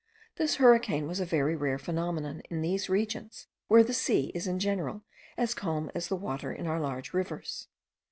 This hurricane was a very rare phenomenon in these regions, where the sea is in general as calm as the water in our large rivers.